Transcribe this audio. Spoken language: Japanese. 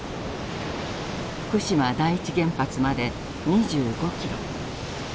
福島第一原発まで２５キロ。